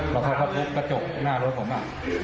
แล้วเขาก็ทุบกระจกหน้ารถผม